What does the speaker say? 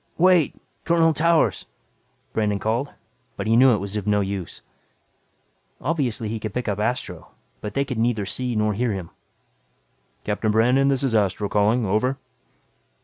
"Wait! Colonel Towers!" Brandon called. But he knew it was no use. Obviously he could pick up Astro but they could neither see nor hear him. "Captain Brandon, this is Astro calling. Over."